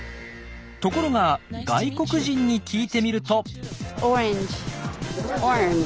ところが外国人に聞いてみると。